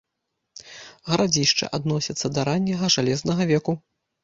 Гарадзішча адносіцца да ранняга жалезнага веку.